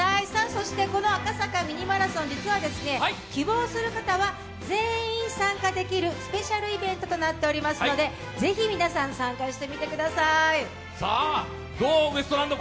そしてこの赤坂ミニマラソン実は希望する方は全員参加できるスペシャルイベントとなっておりますのでぜひ皆さん、参加してみてください。